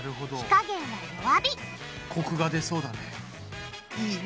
コクが出そうだね。